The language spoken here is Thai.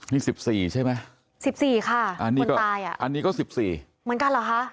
นี่๑๔ใช่ไหม๑๔ค่ะอันนี้ก็๑๔เหมือนกันเหรอคะ